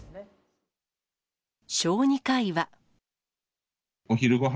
小児科医は。